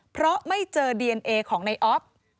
เพราะไม่เจอดีเอนเอของในออฟ